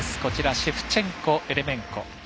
シェフチェンコ、エレメンコ。